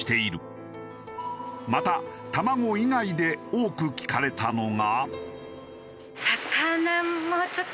また卵以外で多く聞かれたのが。